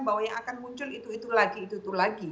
bahwa yang akan muncul itu itu lagi